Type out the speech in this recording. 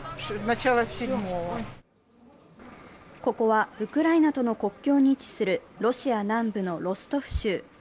ここはウクライナとの国境に位置するロシア南部のロストフ州。